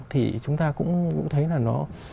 thì chúng ta cũng thấy là nó